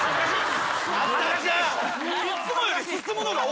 いつもより進むのが遅いですよ。